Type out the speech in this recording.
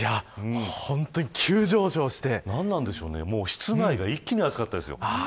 本当に急上昇して何なんでしょうね、室外が一気に暑かったですよ。